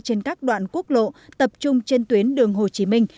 trên các đoạn quốc lộ tập trung trên tuyến đường hồ chí minh